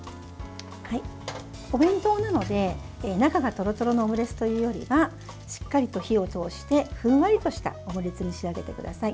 お弁当なので、中がとろとろのオムレツというよりはしっかりと火を通してふんわりとしたオムレツに仕上げてください。